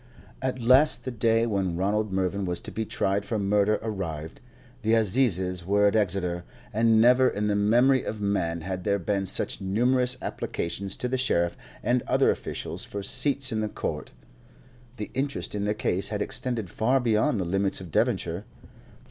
At last the day when Ronald Mervyn was to be tried for murder arrived. The Assizes were at Exeter, and never in the memory of man had there been such numerous applications to the sheriff and other officials for seats in the court. The interest in the case had extended far beyond the limits of Devonshire.